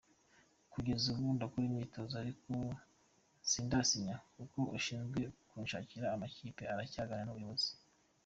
Kugeza ubu ndakora imyitozo ariko sindasinya kuko ushinzwe kunshakira amakipe aracyaganira n’ubuyobozi.